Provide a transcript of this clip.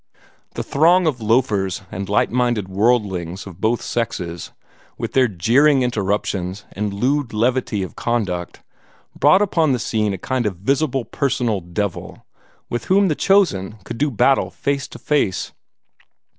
The throng of loafers and light minded worldlings of both sexes, with their jeering interruptions and lewd levity of conduct, brought upon the scene a kind of visible personal devil, with whom the chosen could do battle face to face.